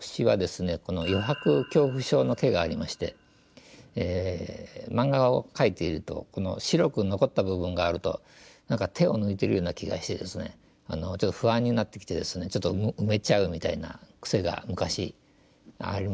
余白恐怖症の気がありまして漫画を描いているとこの白く残った部分があると何か手を抜いてるような気がしてですねちょっと不安になってきてですねちょっと埋めちゃうみたいな癖が昔ありまして。